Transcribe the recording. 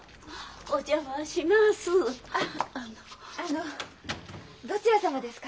お邪魔します。